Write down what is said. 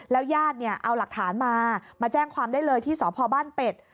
แล้วยาธิ์เอาหลักฐานมามาแจ้งความได้เลยที่สพบเป็ด